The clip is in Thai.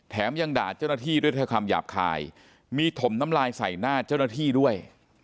ยังด่าเจ้าหน้าที่ด้วยคำหยาบคายมีถมน้ำลายใส่หน้าเจ้าหน้าที่ด้วย